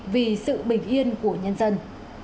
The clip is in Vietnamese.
vì sự bình yên của nhân dân